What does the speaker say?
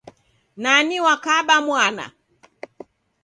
Nani wakabamwana?